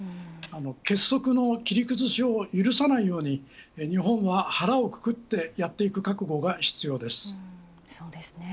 結束の切り崩しを許さないように日本は腹をくくってやっていく覚悟が必要です。